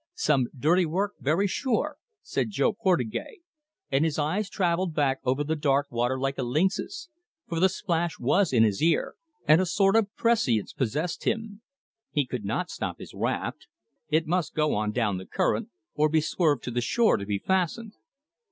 "Some dirty work, very sure," said Jo Portugais, and his eyes travelled back over the dark water like a lynx's, for the splash was in his ear, and a sort of prescience possessed him. He could not stop his raft. It must go on down the current, or be swerved to the shore, to be fastened.